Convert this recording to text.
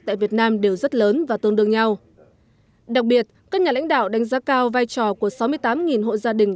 tại việt nam đều rất lớn và tương đương nhau đặc biệt các nhà lãnh đạo đánh giá cao vai trò của sáu mươi tám hộ gia đình